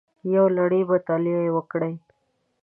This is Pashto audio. یوه لړۍ مطالعې یې وکړې